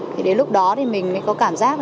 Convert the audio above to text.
thì đến lúc đó thì mình mới có cảm giác